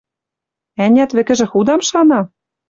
Ӓнят, вӹкӹжӹ худам шана?